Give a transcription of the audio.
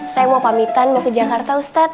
saya mau pamitan mau ke jakarta ustadz